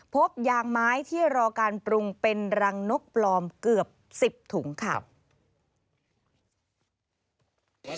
พบยางไม้ที่รอการปรุงเป็นรังนกปลอมเกือบ๑๐ถุงค่ะ